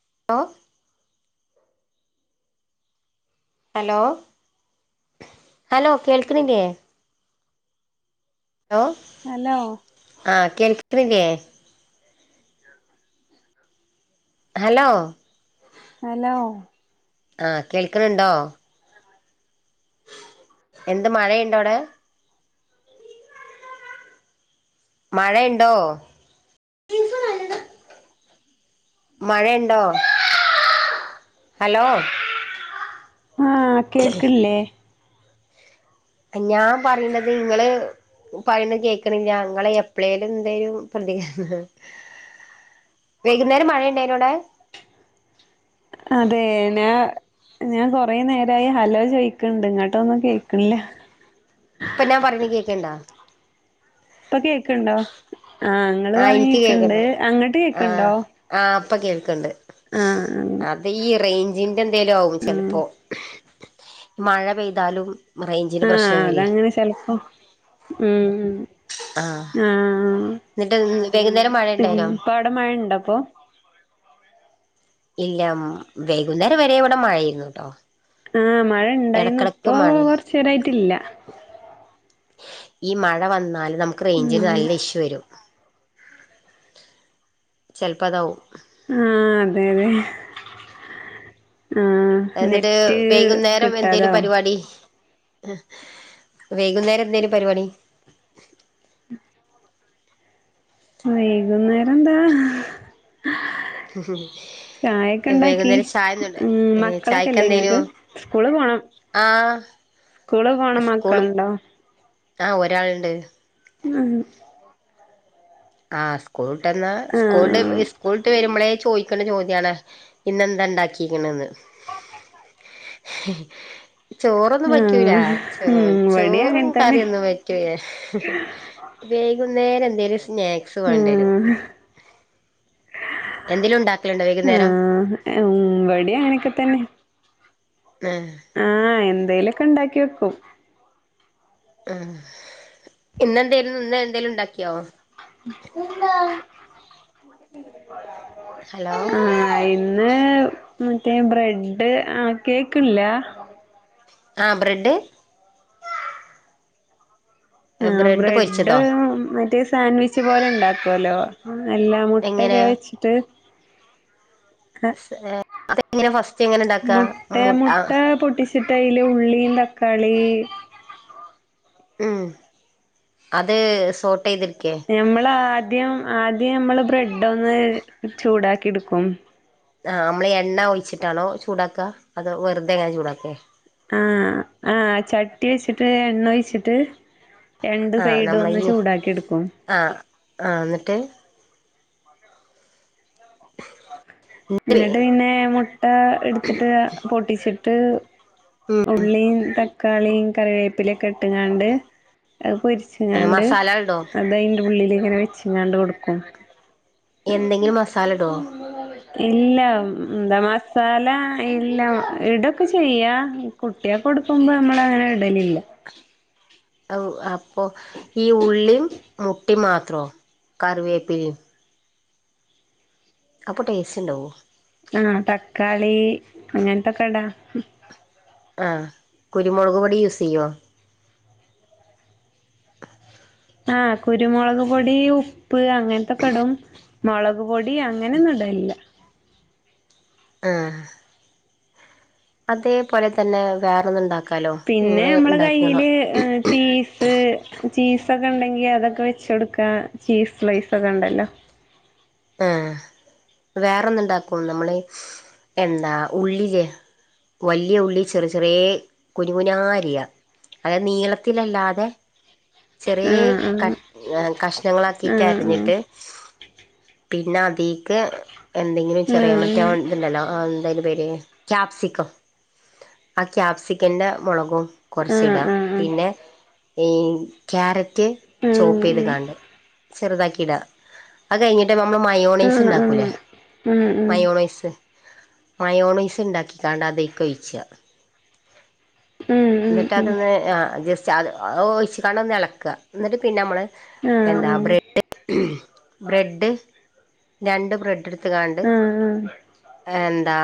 [unintelligible] Hello hello കേൾക്കനില്ലേ hello hello ആ കേൾക്കണില്ലേ ആ [inaudible] ഹലോ ഹലോ ആ കേൾക്കണണ്ടോ എന്ത് മഴയുണ്ടോ അവിടെ മഴയുണ്ടോ മഴയുണ്ടോ ഹലോ ആ കേൾക്കണില്ലേ ഞാൻ പറയുന്നത് നിങ്ങള് പറയണ കേക്കണില്ല ഇങ്ങള് എപ്പളേലും എന്തെലും പ്രതി വൈകുന്നേരം മഴയുണ്ടായിനോ അവിടെ അതെ ഞാ ഞാൻ കൊറേ നേരായി ഹലോ ചോയിക്കണുണ്ട് ഇങ്ങാട്ടൊന്നും കേക്കണില്ല ഇപ്പൊ ഞാൻ പറയണ കേക്കണുണ്ടോ ഇപ്പൊ കേക്കണുണ്ടോ ആ ഇങ്ങള് ആഹ് പറഞ്ഞ എനിക്ക് കേക്കണുണ്ട് കേൾക്കണ്ട് അങ്ങോട്ട് കേക്കണുണ്ടോ ഇപ്പം കേൾക്കൊണ്ട് അതീ റേഞ്ചി എന്തേലും ആകും ചെലപ്പോ മഴ പെയ്താലും റേഞ്ചിന് ആ പ്രശ്നം വരെ അതങ്ങനെ ചെലപ്പം ഉം ഉം ആ ആഹ് എന്നിട്ട് വൈകുന്നേരം മഴ ഉണ്ടായിനോ അപ്പോ ഇല്ല മം വൈകുന്നേരം വരെ ഇവിടെ മഴയായിരുന്നൂട്ടോ ആ മഴ ഇണ്ടായിരുന്നു ഇപ്പോ കൊറച്ചേരായിട്ടില്ല ഈ മഴ വന്നാലും നമുക്ക് റേഞ്ചിന് ഉം നല്ല ഇഷ്യൂ വരും ചെലപ്പോതാവും ആ അതെ അതെ ആഹ് എന്നിട്ട് നെറ്റ് വൈകുന്നേരം എന്തേലും കിട്ടാതാവും പരുപാടി വൈകുന്നേരം എന്തേലും പരുപാടി വൈകുന്നേരന്താ ചായൊക്കെ ഇണ്ടാക്കി വൈകുന്നേരം ചായന്നുണ്ടായി ഉം ചായക്ക് മക്കളൊക്കെയില്ലേ എന്തേനു ഇങ്ങക്ക് സ്കൂള് പോണം ആഹ് സ്കൂള് പോണ മക്കള്ണ്ടോ? ആ ഒരാള്ണ്ട് [unintelligible] ആ സ്കൂൾ വന്ന് സ്കൂള്ന്റെ ആഹ് സ്കൂള് വരുമ്പളേ ചോയിക്ക്ണ ചോദ്യാണ് ഇന്നെന്താ ഇണ്ടാക്കിക്ക്ണേന്ന് ചോറൊന്നും പറ്റൂല ആഹ് ചോ ഉം ഇവടിം ചോറും അങ്ങനെ തന്നെ കറിയൊന്നും പറ്റു വൈകു വേറെ എന്തേലും സ്നാക്സ് വേണ്ടരും ആ ഉം ഇവിടെങ്ങനെക്കെ തന്നെ ആഹ് ആ എന് എന്തേലൊക്കെ ഇണ്ടാക്കി വെക്കും ആ ഇന്നെന്തേലും ഇന്ന എന്തേലും ഇണ്ടാക്ക്യാ പിന്താ [unintelligible] ഹലോ ഇന്ന് മറ്റേ ബ്രെഡ് ആ കേക്ക്ണ്‌ല്ലാ ആ ബ്രെഡ് ഉം ബ്രെഡ് മറ്റേ സാൻവിച്ച് പോലെ ഇണ്ടാക്കുവല്ലോ അല്ലാ മുട്ടൊക്കെ എങ്ങനെ വെച്ചിട്ട് അതെങ്ങനെ ഫസ്റ്റ് എങ്ങനെ ഇണ്ടാക്കാ മുട്ടാ ഉള്ളീം തക്കാളി ഉം അത് സോട്ടേയ്ത് ഞമ്മള് ആദ്യം ആ ദ്യം നമ്മള് ബ്രെഡ് ഒന്ന് ചൂടാക്കി ഇട്ക്കും ആഹ് മ്മള് എണ്ണ ഒഴിച്ചിട്ടാണോ ചൂടാക്കാ അതോ വെറുതെ ഇങ്ങനെ ചൂടാക്കേ ആ ആ ചട്ടി വെച്ചിട്ട് എണ്ണ ഒഴിച്ചിട്ട് രണ്ട് ആ സൈഡും നമ്മള ഒന്ന് ഈ ചൂടാക്കി എടുക്കും ആ ആ ന്നിട്ട് എന്നിട്ട് പിന്നെ മുട്ട എട്ത്തിട്ട് പൊട്ടിച്ച് ട്ട് ഉം ഉള്ളി തക്ക തക്കാളിയും കറിവേപ്പിലൊക്കെ ഇട്ടങ്ങാണ്ട് എ പൊരിച്ചുങ്ങാണ്ട് മസാല ഇടോ അത് അതിന്റ ഉള്ളില് ഇങ്ങനെ വെച്ചങ്ങാണ്ട് കൊടുക്കും. എന്തെങ്കിലും മസാല ഇടോ? ഇല്ല എന്താ മസാല ഇല്ല ഇടൊക്കെ ചെയ്യാ കുട്ടികക്ക് കൊടുക്കുമ്പോ നമ്മളങ്ങനെ ഇടലില്ല. അപ്പൊ ഈ ഉള്ളീം മുട്ടയും മാത്രോ കറിവേപ്പിലയും അപ്പൊ ടേസ്റ്റ് ഉണ്ടാവോ? ഉം തക്കാളി അങ്ങനത്തൊക്കെ ഇടാ. ആഹ് കുരുമുളക് പൊടി യൂസ് ചെയ്യുവോ? ആഹ് കുരുമുളക് പൊടി ഉ [unintelligible] മുളക് പൊടി അങ്ങനെന്നും ഇടലില്ല. ആ അതേപോലെ തന്നെ വേറെന്നും ഉണ്ടാ പിന്നെ നമ്മളെ കയ്യില് ഏഹ് ചീസ് ചീസൊക്കെ ഉണ്ടെങ്കി അതൊക്കെ വെച്ച് കൊടുക്കാ ചീസ് സ്ലൈസ് ഒക്കെ ഉണ്ടല്ലോ? ആ വേറെന്ന് ഉണ്ടാക്കും നമ്മള് എന്താ ഉള്ളിലെ വല്ല്യ ഉള്ളി ചെറി ചെറിയേ കുനു കുനാ അരിയാ അതായത് നീളത്തിലല്ലാതെ. ചെറിയേ ക ആഹ് കഷ്ണങ്ങളാക്കിട്ട് ആഹ് അരിഞ്ഞിട്ട് പിന്നെ അതീക്ക് എന്തെങ്കിലും ആഹ് ചെറിയാ ആഹ് മറ്റേ ഇതുണ്ടല്ലോ ആ എന്തായിന്റെ പേര്? ക്യാപ്സിക്കം ആ ക്യാപ്സിക്കൻ്റെ മുളകും കുറച്ചിടാ ആഹ് ആഹ് ആഹ് ആഹ് പിന്നെ ഈ ക്യാര റ്റ് ആഹ് ചോപ്പ് ചെയ്ത് ആഹ് കാണ്ട് ചെറുതാക്കിടാ അത് കയിഞ്ഞ് നമ്മള് മയോണൈസ് ആഹ് ഉണ്ടാക്കൂല്ലേ ആഹ് മയോണൈസ്? മയോണയ്സ് ഉണ്ടാക്കിക്കാണ്ട് അതീക്ക് ഒഴിച്ചാ. ആഹ് ആഹ് ഉം ഉം എന്നിട്ട് ഉം അതെന്ന് ആ ജസ്റ്റ് അതൊ ഒഴിച്ച് കണ്ടെന്ന് ഇളക്കാ എന്നിട്ട് പിന്നെ നമ്മൾ ആഹ് ആഹ് ആഹ് ആഹ് എന്താ ബ്രഡ് ബ്രെഡ് രണ്ട് ബ്രെഡ് എടുത്ത് ആ ആ എന്താ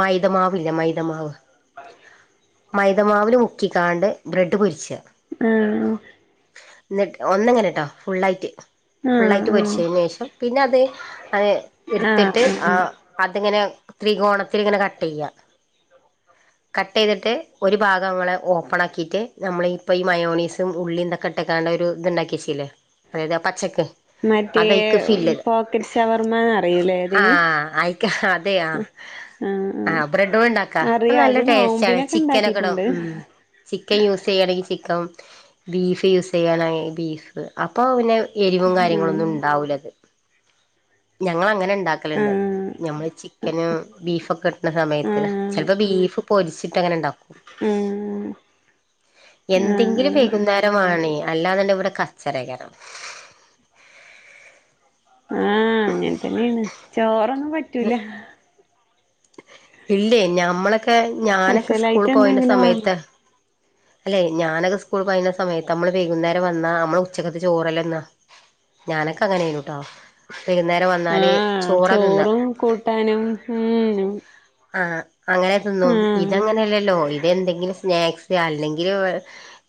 മൈദമാവ് ല്ലേ മൈദമാവ്? മൈദമാവിൽ മുക്കിക്കാണ്ട് ബ്രെഡ് പൊരിച്ചാ എന്നിട്ട് ഒന്നങ്ങനെ ട്ടോ ഫുള്ളായിട്ട്. ഫുള്ളായിട്ട് ആഹ് ആഹ് പെരിച്ചേന് ശേഷം പിന്നെ അത് ആഹ് എടുത്തിട്ട് ആഹ് ആ ആഹ് [unintelligible] അതിങ്ങനെ ത്രികോണത്തിൽ ഇങ്ങനെ കട്ട് ചെയ്യ കട്ട് ചെയ്തിട്ട്- ഒരു ഭാഗംനമ്മൾ ഓപ്പൺ ആക്കിയിട്ട് നമ്മൾ ഇപ്പോൾ ഈ മയോണീസും ഉള്ളി ഇതൊക്കെ ഇട്ട്ക്കാണ്ട് ഒരു ഇതുണ്ടാക്കി വച്ചില്ലേ അതായത് പച്ചക്ക് മറ്റേ അതയ്ക്ക് ഫില്ല് പോക്കറ്റ് ഷവർമാ ന്ന് അറിയും ലേ ആ അതിന് അയ്ക്ക് അതെ ആ ആ ആഹ് ബ്രെഡും ആ അറിയാം അത് നോമ്പിനൊക്കെ ഉ ക്ക നെക്കെ ഇടും ചിക്കൻ യൂസ് ചെയ്യണങ്കിൽ ചിക്കമ്- ബീഫ് യൂസ് ചെയ്യാനാണങ്കിൽ ബീഫ് അപ്പൊ പിന്നെ എരിവും ആഹ് കാര്യങ്ങളൊന്നും ഉണ്ടാവൂലല്ലോ ഞങ്ങ-ൾ അങ്ങനെ ണ്ടാക്കലുണ്ട് ആഹ് ഞമ്മള് ചിക്കനും ബീഫൊക്കെ കിട്ടണ സമയത്ത് ആഹ് ചിലപ്പോ ബീഫും- പൊരിച്ചിട്ട അങ്ങനെ ണ്ടാ ഉം എന്തെങ്കിലും ആഹ് വൈകുനേരം വാണെ- അല്ലാന്നെണ്ടെ ഇവിടെ കച്ചറകാരം ആഹ് അങ്ങനെ തന്നെയാണ് ചോറൊന്നും പറ്റ് റ്റൂല ഇല്ലേ ഞമ്മള് ക്കെ ഞാനൊക്കെ സ്കൂൾ സ്പെഷ്യലായിട്ട് പോയിന്റെ എന്തെങ്കിലും വേണം സമയത്ത് അല്ലെ ഞാനൊക്കെ സ്കൂൾ പായുന്ന സമയത്ത് നമ്മള് വൈകുന്നേരം വന്നാ നമ്മള് ഉച്ചക്കത്തെ ചോറല്ലേ തിന്നാ ഞാനൊക്കെ അങ്ങനെ ആയിന്നൂട്ടോ വൈകുന്നേരം വന്നാല് ചോറാ തിന്നാ ട്ടാനും [unintelligible] ആ അങ്ങനെ തിന്നും ഇതങ്ങനെല്ലല്ലോ ഇതെന്തെങ്കിലും സ് സ്നാക്സ് അല്ലെങ്കില്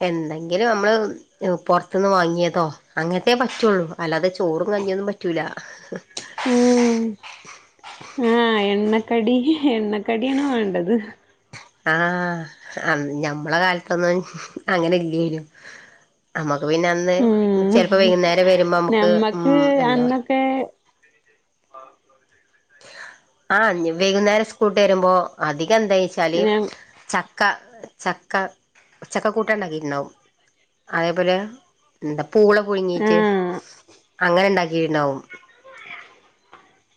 എന്തെങ്കിലും അമ്മള് പൊറത്ത്ന്ന് വാങ്ങിയതോ അങ്ങനത്തെ പറ്റുള്ളൂ അല്ലാതെ ചോറും കഞ്ഞിയൊന്നും പറ്റൂല. ഉം ആഹ് എ എണ്ണക്കടി എണ്ണക്കടി ആണ് വാണ്ടത് ആഹ് ഞമ്മള കാലത്തൊന്നും അങ്ങനെ ഇല്ലേനും അമ്മക്ക് പിന്നെ അന്ന് ഉം ചെലപ്പോ വൈകുന്നേരം വരുമ്പോ നമ്മക്ക് ഉം ഞമ്മക്ക് എന്താ അന്നൊക്കെ ആ ഇന്നി വൈകുന്നേരം സ്കൂള് വിട്ട് വരുമ്പോ അതി എന്തേച്ചാല് ന ചക് ക്ക ചക്ക ചക്കകൂട്ടാൻ ഉണ്ടാക്കിട്ടുണ്ടാവും അതേപോലെ എന്ത പൂള പുഴുങ്ങീട്ട് ആഹ് അങ്ങനെ ഉണ്ടാ കീണ്ടാവും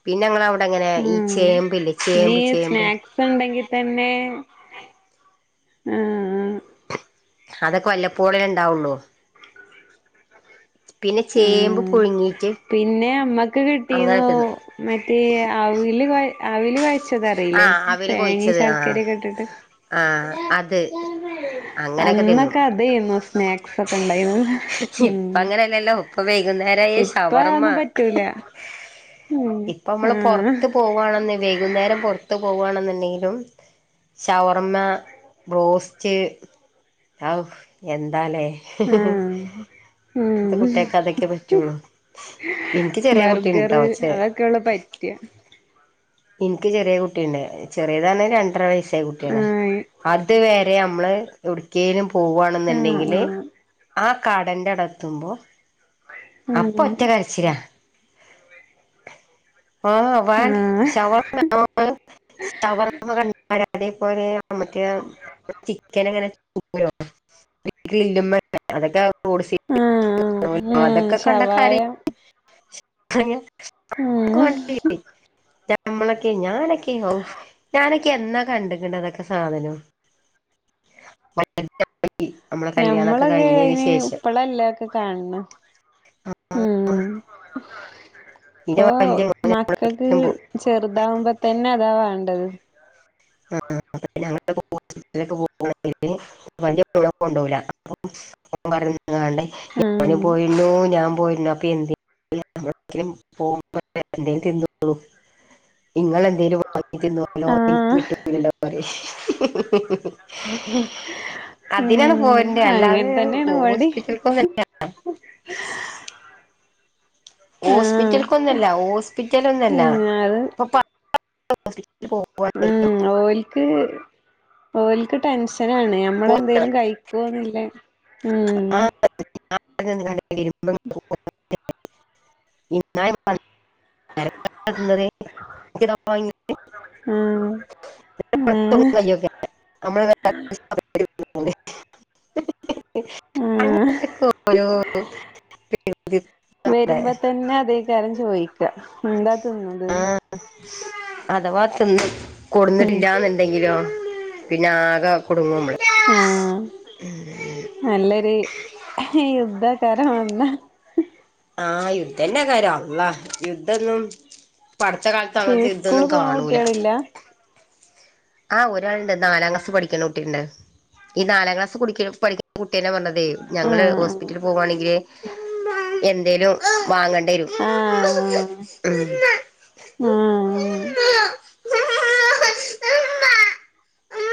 പിന്നെ ഞങ്ങളവ് ടെങ്ങനെ ഈ ഉം ചേമ്പില്ലേ ഇനി ചേമ്പ് ചേമ്പ് ഉം ഉം അതൊക്കെ വല്ലപ്പോളല്ലെ ഇണ്ടാവുള്ളൂ പിന്നെ ചേമ്പ് പുഴുങ്ങീറ്റ് ക്ക് കിട്ടീന്നു മറ്റേ അവ് ല്കൊ അവില് കോയച് ആ ച്ചതറിയില്ലേ അവല് തേങ്ങിം കൊഴിച്ചത് ആ ശർക്കരക്കെ ഇട്ടിട്ട് ആ അത് അങ്ങനെയൊക്കെ തിന്നും അന്നൊക്കെ അതേന്നു സ്നാക്സ് ഒക്കെണ്ടായ്ന്നത് ഉം പവേ വൈകുന്നേരായാ ഇപ്പ ഷവർമ്മ അതൊന്നും പറ്റൂല ഉം ഇപ്പ അമ്മള് ആഹ് പൊറത്ത് പോവാണെന്നേ വൈകുന്നേരം പൊ ത്ത് പോവാണെന്ന്ണ്ടെങ്കിലും ഷവർമ്മ ബ്രോസ്റ്റ് അവു എന്താല്ലേ ആഹ് ഇപ്പത്തെ ഉം കുട്ടിയേക്ക് അതൊക്കെ പറ്റൊള്ളു ഇനിക്ക് ചെറിയേ കുട്ടിണ്ട് ബർഗർ ട്ടോ ചെ അതൊക്കെയൊള്ളു പറ്റാ ഇൻക്ക് ചെറിയ കുട്ടിയ്ണ്ട് ചെറിയത് പറഞ്ഞ രണ്ടര വയസ് സായ കുട്ടിയാണ് ആഹ് അത് വരെ അമ്മള് എവിട്ക്കേലും ആഹ് പോവാണെന്ന്ണ്ടെങ്കില് ആഹ് ആ കടെന്റെ അടെത്തുമ്പോ അപ്പോ ആഹ് ഒറ്റ കരച്ചിലാ ആഹ് വാങ്ങ് ശവർമ്മ [unintelligible] ശവർമ്മ കണ്ടാല അതേപോലെ മറ്റേ ചിക്കനങ്ങനെ തൂക്കൂലോ ഗ്രില്ല്മ്മെ അതെക്കെ [unintelligible] സീറ്റ് [unintelligible] ഉം അതൊക്കെ കണ്ട ശവായ കരയും [unintelligible] അവക്ക് ഉം വേണ്ടത് കിട്ടി [unintelligible] നമ്മളൊക്കെ ഞാനെ ക്കയോ ഞാന ക്കെന്നാ കണ്ട്ക്ക്ണ് അതൊക്കെ സാധനം [unintelligible] നമ്മളെ കല്യാണൊക്കെ ഞമ്മളൊക്കെ കഴിഞ്ഞതിന് അയിന് ശേഷം ഇപ്പളല്ലേ ഒക്കെ കാണ്‌ണ് ഉം ഇന്റെ ഇപ്പൊ വല്യ മോന് മക്കക്ക് ചെറുതാവുമ്പോ തന്നെ അതാ വേണ് ണ്ടത് ആ ഞങ്ങള് ഹോസ്പിറ്റലക്കെ പോവാണെങ്കില് വല്ല്യ മോനെ കൊണ്ടോവൂല അപ്പൊ ഓൻ പറയും ഞ്ഞ്ങ്ങാണ്ടെ ഉം ഞാനും പോയിന്നൂ ഞാൻ പോര്ണ അപ്പൊ എന്തേലും [unintelligible] തിന്നോളും ഇങ്ങള് എന്തേലും വാങ്ങിതിന്നോലോ [unintelligible] ആഹ് [unintelligible] അതിനാണ് ഉം പോരണ്ടെ അങ്ങൻ അല്ലാതെ തന്നേണ് ഇവടിം ഹോസ്പിറ്റൽ കാണിക്കണ്ട ആഹ് ഹോസ്പിറ്റൽക്കൊന്നല്ല ഹോസ്പിറ്റലൊന്നല്ല അത് ഇപ്പൊ പ ഉം ഓൾക്ക് ഓൾക്ക് ടെൻഷ് ഷനാണാ നമ്മളെന്തേലും കഴിക്കയൊന്നുംല്ല ആഹ്ആ പത്ത് ആഹ് [unintelligible] ഇക് ഞാ ആഹ് ആഹ് [unintelligible] അതെ ഉം വരുമ്പോ തന്നെ അതേകാരം ചോദിക്ക എന്താ തിന്നത് അതവാ തിന്ന് ഉം കൊടുന്നിട്ടില്ലാന്നുണ്ടെങ്കിലോ പിന്നെ ആകേ ടുങ്ങു മ്മള് ആഹ് നല്ലൊരു യുദ്ധാകാരം വന്നാ ആഹ് യുദ്ധന്നേക്കാരം അള്ള യുദ്ധന്നും പ്പട്ത്ത കാലത്ത് ചെ അങ്ങത്തെ സ്കൂള് യുദ്ധന്നും പോണ കാണൂല കുട്ടികളില്ല ആഹ്ആ ഒരാളുണ്ട് നാലാം ക്ലാസ് പഠിക്കണ കുട്ടിണ്ട് ഈ നാലാം ക്ലാസ് കു കുട്ട്യന്നെ പറഞ്ഞതേ ഞങ്ങള് ആഹ് ഹോസ്പിറ്റല് പോവാണെങ്കില് എന്തേലും വാങ്ങാ ആഹ് ആഹ് ആഹ് [unintelligible] ഉം